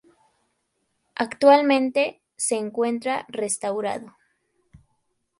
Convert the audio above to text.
Actualmente, se encuentra restaurado.